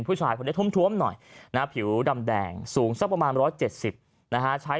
ผู้ชายคนนี้ทุ่มหน่อยนะผิวดำแดงสูงสักประมาณ๑๗๐นะฮะใช้